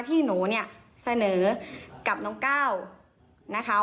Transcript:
ที่หนูเนี่ยเสนอกับน้องก้าวนะคะ